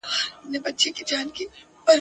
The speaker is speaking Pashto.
د جنګ منځ ته به ور ګډ لکه زمری سو ..